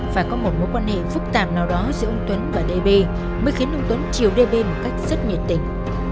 phải có một mối quan hệ phức tạp nào đó giữa ông tuấn và đê bê mới khiến ông tuấn chiều đê bê một cách rất nhiệt tình